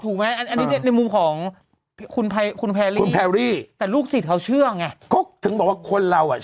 นะใช้คำว่านั่งสมาธินิดหน่อยด้วย